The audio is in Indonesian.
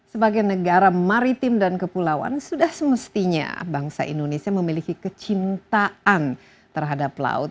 sebagai negara maritim dan kepulauan sudah semestinya bangsa indonesia memiliki kecintaan terhadap laut